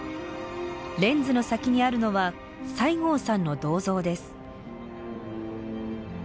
レンズの先にあるのは西郷さんの銅像です。